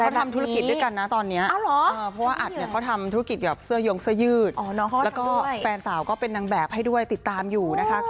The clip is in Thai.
เขาทำธุรกิจด้วยกันนะตอนนี้เพราะว่าอัดเนี่ยเขาทำธุรกิจกับเสื้อยงเสื้อยืดแล้วก็แฟนสาวก็เป็นนางแบบให้ด้วยติดตามอยู่นะคะ